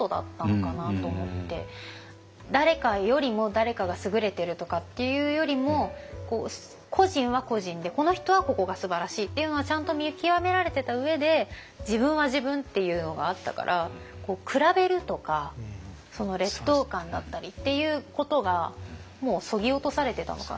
誰かよりも誰かが優れてるとかっていうよりも個人は個人でこの人はここがすばらしいっていうのはちゃんと見極められてた上で自分は自分っていうのがあったから比べるとか劣等感だったりっていうことがもうそぎ落とされてたのかな。